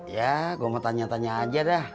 ya gue mau tanya tanya aja dah